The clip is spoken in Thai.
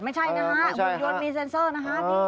ไม่ใช่นะฮะหุ่นยนต์มีเซ็นเซอร์นะฮะ